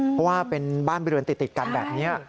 เพราะว่าเป็นบ้านเรือนติดกันแบบนี้